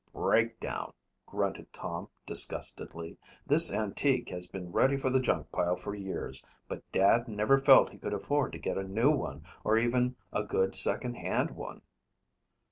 "Breakdown," grunted Tom disgustedly. "This antique has been ready for the junk pile for years but Dad never felt he could afford to get a new one or even a good second hand one."